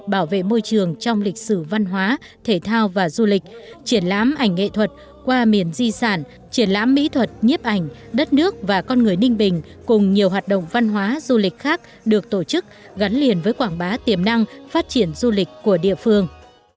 bảo vệ môi trường trong lịch sử văn hóa thể thao và du lịch triển lãm ảnh nghệ thuật qua miền di sản triển lãm mỹ thuật nhiếp ảnh đất nước và con người ninh bình cùng nhiều hoạt động văn hóa du lịch khác được tổ chức gắn liền với quảng bá tiềm năng phát triển du lịch của địa phương